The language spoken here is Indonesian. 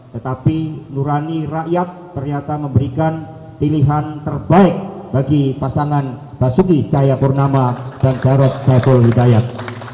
tetapi nurani rakyat ternyata memberikan pilihan terbaik bagi pasangan basuki cahayapurnama dan jarod saiful hidayat